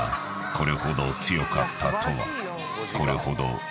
［これほど尊かったとは］